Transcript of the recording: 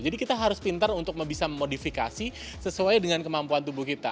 jadi kita harus pintar untuk bisa memodifikasi sesuai dengan kemampuan tubuh kita